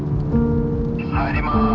「入ります」。